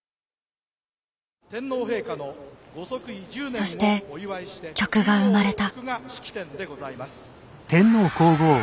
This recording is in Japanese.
そして曲が生まれた。